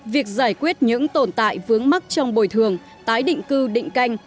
việc giải quyết những tồn tại vướng mắc trong bồi thường tái định cư định canh